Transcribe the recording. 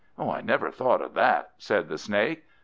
"I never thought of that," said the Snake.